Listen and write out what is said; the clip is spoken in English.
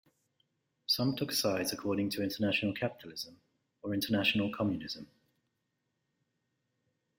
Some took sides according to international capitalism or international communism.